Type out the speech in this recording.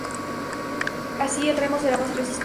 Así el remo será más resistente.